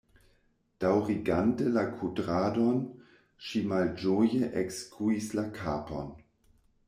Daŭrigante la kudradon, ŝi malĝoje ekskuis la kapon.